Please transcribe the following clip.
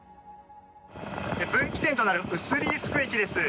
分岐点となるウスリースク駅です。